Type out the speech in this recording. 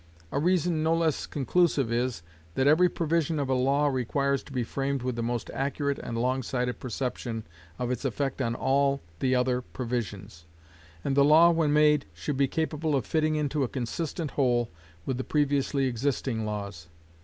A reason no less conclusive is, that every provision of a law requires to be framed with the most accurate and long sighted perception of its effect on all the other provisions; and the law when made should be capable of fitting into a consistent whole with the previously existing laws.